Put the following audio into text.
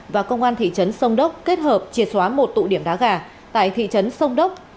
và công an thị trấn sông đốc kết hợp triệt xóa một tụ điểm đá gà tại thị trấn sông đốc